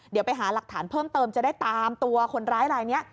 เดี๋ยวไปหาหลักฐานเพิ่มเติมจะได้ตามตัวคนร้ายลายนี้